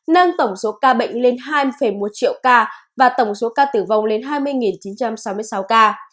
nâng tổng số ca bệnh lên hai một triệu ca và tổng số ca tử vong lên hai mươi chín trăm sáu mươi sáu ca